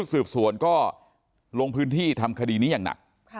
สืบสวนก็ลงพื้นที่ทำคดีนี้อย่างหนัก